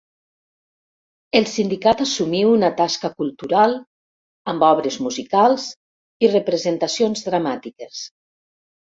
El sindicat assumí una tasca cultural, amb obres musicals i representacions dramàtiques.